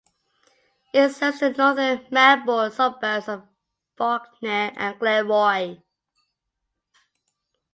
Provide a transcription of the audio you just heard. It serves the northern Melbourne suburbs of Fawkner and Glenroy.